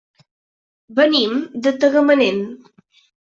Venim de Tagamanent.